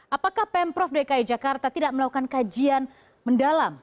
apakah pemprov dki jakarta tidak melakukan kajian mendalam